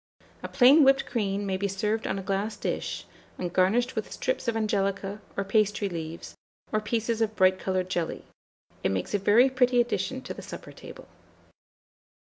A plain whipped cream may be served on a glass dish, and garnished with strips of angelica, or pastry leaves, or pieces of bright coloured jelly: it makes a very pretty addition to the supper table.